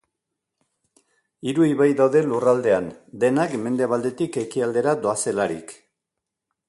Hiru ibai daude lurraldean, denak mendebaldetik ekialdera doazelarik.